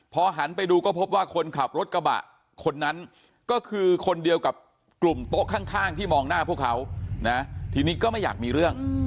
พอหันไปดูก็พบว่าคนขับรถกระบะคนนั้นก็คือคนเดียวกับกลุ่มโต๊ะข้างที่มองหน้าพวกเขานะทีนี้ก็ไม่อยากมีเรื่อง